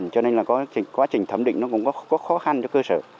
cho nên là quá trình thẩm định nó cũng có khó khăn cho cơ sở